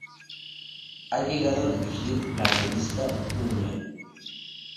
Ha llegado a dirigir la revista Dunia.